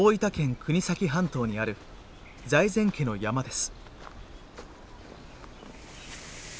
国東半島にある財前家の山です。